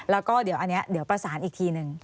แล้วก็เดี๋ยวอันนี้เดี๋ยวประสานอีกทีนึง